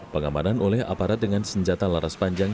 pengamanan oleh aparat dengan senjata laras panjang